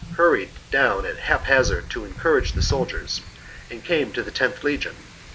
hurried down at haphazard to encourage the soldiers, and came to the loth legion.